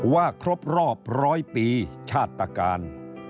ว่าครบรอบร้อยปีชาตกาล